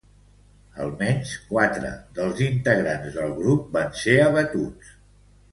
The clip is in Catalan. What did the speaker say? Almenys, quatre dels integrants del grup van ser abatuts.